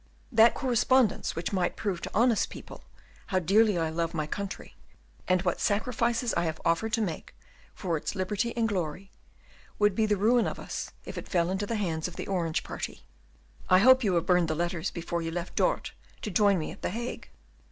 That correspondence, which might prove to honest people how dearly I love my country, and what sacrifices I have offered to make for its liberty and glory, would be ruin to us if it fell into the hands of the Orange party. I hope you have burned the letters before you left Dort to join me at the Hague."